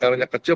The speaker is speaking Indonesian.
r nya kecil